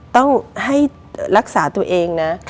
ต้องให้รักษาตัวเองนะ